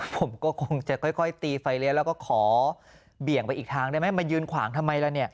ผมก็คงจะค่อยตีไฟเลี้ยแล้วก็ขอเบี่ยงไปอีกทางได้ไหมมายืนขวางทำไมล่ะเนี่ย